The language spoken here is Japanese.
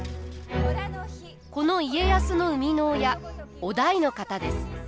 この家康の生みの親於大の方です。